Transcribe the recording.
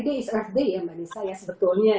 hari bumi ya mbak nisa ya sebetulnya